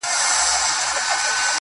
بيا دې د دوو سترگو تلاوت شروع کړ,